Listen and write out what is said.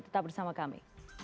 tetap bersama kami